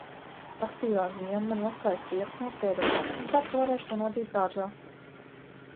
Pasīvā ziema man ir atstājusi riepas nospiedumu, ceru, ka varēšu to nodzīt dārzā.